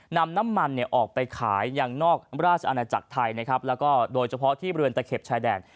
นำน้ำมันออกไปขายอย่างนอกราชอาณาจักรไทยโดยเฉพาะที่บริเวณตะเข็บชายแดง